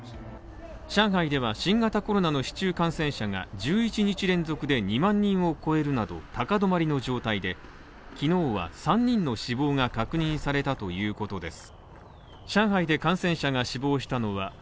上海では新型コロナの市中感染者が１１日連続で２万人を超えるなど高止まりの状態で、昨日は３人の死亡が確認されたということです。